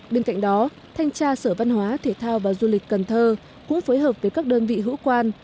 bên cạnh đó thanh tra sở văn hóa thể thao và du lịch cần thơ cũng phối hợp với các đơn vị hữu quan